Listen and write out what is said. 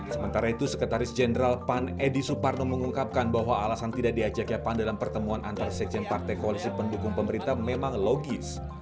sementara itu sekretaris jenderal pan edi suparno mengungkapkan bahwa alasan tidak diajaknya pan dalam pertemuan antar sekjen partai koalisi pendukung pemerintah memang logis